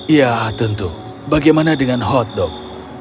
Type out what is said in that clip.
ya tentu bagaimana dengan hotdog